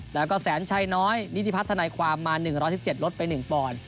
แล้วก็แสนชัยน้อยนิติพัฒนาความมา๑๑๗ลดไป๑ปอนด์